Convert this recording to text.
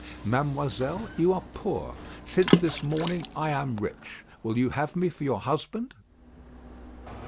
Mademoiselle, you are poor; since this morning I am rich. Will you have me for your husband?"